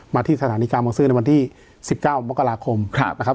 ที่สถานีกาบังซื้อในวันที่๑๙มกราคมนะครับ